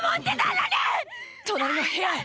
何で⁉隣の部屋へ！